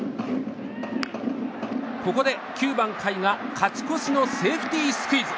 ここで９番、甲斐が勝ち越しのセーフティースクイズ。